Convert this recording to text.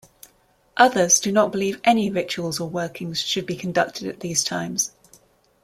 Others do not believe any rituals or workings should be conducted at these times.